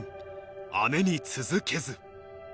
姉に続けず。